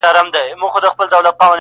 o اوس دي لا د حسن مرحله راغلې نه ده.